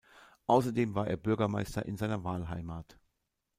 Außerdem war er Bürgermeister in seiner Wahlheimat.